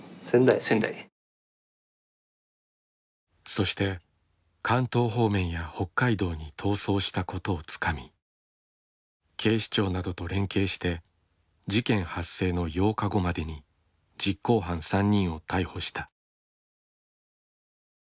そして関東方面や北海道に逃走したことをつかみ警視庁などと連携して事件発生の８日後までに実行犯３人を逮捕した。